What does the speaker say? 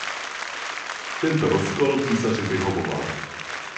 Tento rozkol císaři vyhovoval.